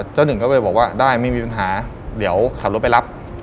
หนึ่งก็เลยบอกว่าได้ไม่มีปัญหาเดี๋ยวขับรถไปรับ